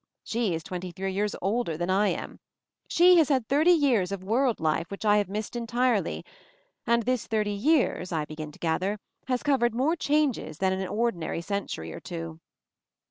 She is twenty three years older than I am. She has had thirty years of world life which I have missed entirely, and this thirty years, I be gin to gather, has covered more changes than an ordinary century or two.